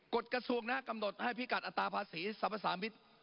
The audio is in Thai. กฎกระทรวงนะกำหนดให้พิกัดอัตราภาษีสรรพสามิตร